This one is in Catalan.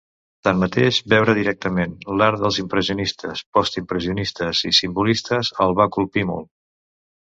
Tanmateix, veure directament l’art dels impressionistes, postimpressionistes i simbolistes el va colpir molt.